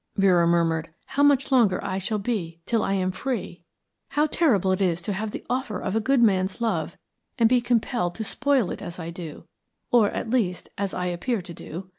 Vera murmured "how much longer I shall be till I am free! How terrible it is to have the offer of a good man's love, and be compelled to spoil it as I do, or, at least, as I appear to do.